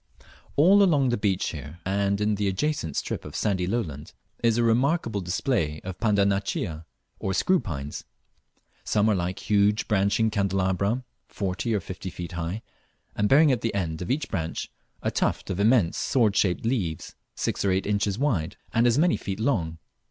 All along the beach here, and in the adjacent strip of sandy lowland, is a remarkable display of Pandanaceae or Screw pines. Some are like huge branching candelabra, forty or fifty feet high, and bearing at the end of each branch a tuft of immense sword shaped leaves, six or eight inches wide, and as many feet long.